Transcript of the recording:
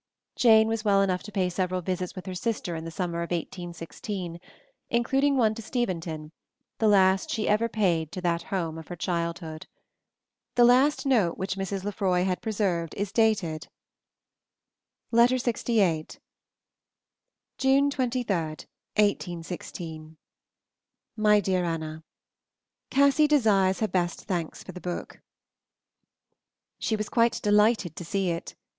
Jane was well enough to pay several visits with her sister in the summer of 1816, including one to Steventon, the last she ever paid to that home of her childhood. The last note which Mrs. Lefroy had preserved is dated, LXVIII. JUNE 23, 1816. MY DEAR ANNA, Cassy desires her best thanks for the book. She was quite delighted to see it.